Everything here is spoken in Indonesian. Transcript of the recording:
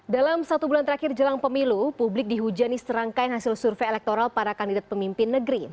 dalam satu bulan terakhir jelang pemilu publik dihujani serangkaian hasil survei elektoral para kandidat pemimpin negeri